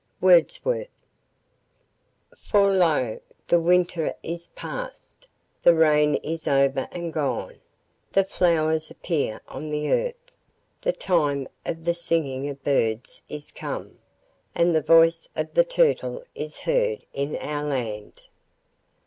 WORDSWORTH For, lo, the winter is past, the rain is over and gone; the flowers appear on the earth; the time of the singing of birds is come, and the voice of the turtle is heard in our land.